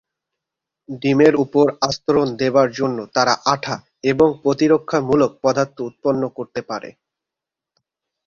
ডিমের উপর আস্তরণ দেবার জন্য তারা আঠা এবং প্রতিরক্ষামূলক পদার্থ উৎপন্ন করতে পারে।